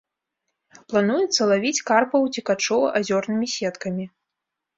Плануецца лавіць карпаў-уцекачоў азёрнымі сеткамі.